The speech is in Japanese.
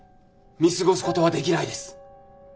見過ごすことはできないです。